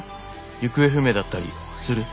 行方不明だったりする？」。